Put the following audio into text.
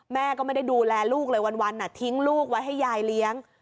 แม่ก็ไม่ได้ดูแลลูกเลยวันทิ้งลูกไว้ให้ยายเลี้ยง